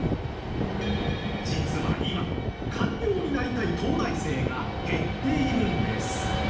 実は今官僚になりたい東大生が減っているんです。